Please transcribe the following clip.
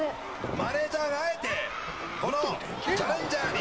マネジャーがあえてこのチャレンジャーに。